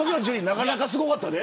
なかなかすごかったで。